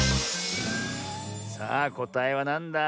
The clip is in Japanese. さあこたえはなんだ？